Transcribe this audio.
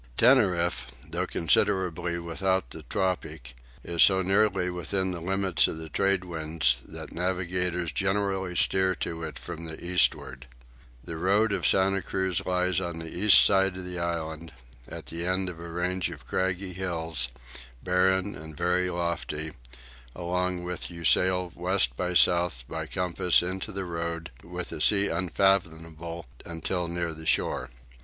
Tenerife, though considerably without the tropic, is so nearly within the limits of the tradewind that navigators generally steer to it from the eastward. The road of Santa Cruz lies on the east side of the island, at the end of a range of craggy hills, barren and very lofty, along with you sail west by south by compass into the road, with a sea unfathomable until near the shore.